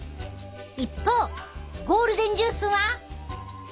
一方ゴールデンジュースは。